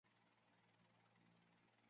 邓艾承制拜刘禅为骠骑将军。